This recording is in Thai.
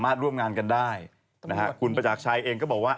ร่วมงานกันได้นะฮะคุณประจักรชัยเองก็บอกว่า